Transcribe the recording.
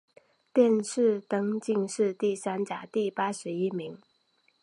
殿试登进士第三甲第八十一名。